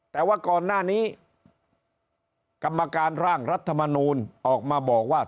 แต่ว่าก่อนหน้านี้กรรมการร่างรัฐมนูลออกมาบอกว่า